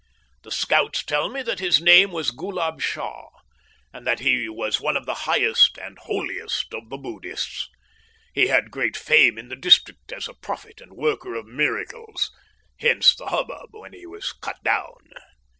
The scouts tell me that his name was Ghoolab Shah, and that he was one of the highest and holiest of the Buddhists. He had great fame in the district as a prophet and worker of miracles hence the hubbub when he was cut down.